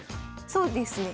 そうですね。